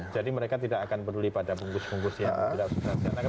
jadi mereka tidak akan peduli pada bungkus bungkus yang tidak substansi